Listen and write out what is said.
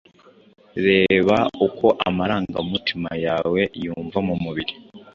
Reba uko amarangamutima yawe yumva mumubiri